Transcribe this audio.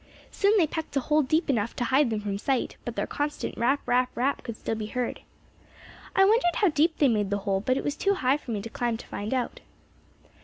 "Soon they pecked a hole deep enough to hide them from sight, but their constant rap, rap, rap could still be heard. "I wondered how deep they made the hole, but it was too high for me to climb to find out."